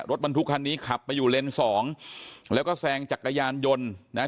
รถบรรทุกคันนี้ขับไปอยู่เลนส์สองแล้วก็แซงจักรยานยนต์นะฮะ